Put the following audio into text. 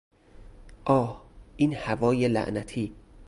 آه، این هوای لعنتی!